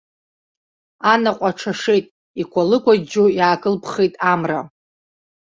Анаҟә аҽашеит, икәалыкәаџьо иаакылԥхеит амра.